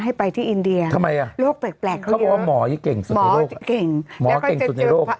ให้ไปที่อินเดียโรคแปลกเขาเรียกว่าหมอเก่งสุดในโรค